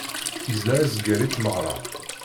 Izla azger i tmeɣra.